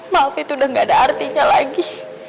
maaf itu udah gak ada artinya lagi